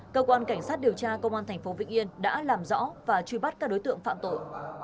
cơ quan cảnh sát điều tra công an tp vĩnh yên đã làm rõ và truy bắt các đối tượng phạm tội